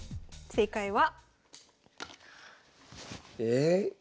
正解は？え？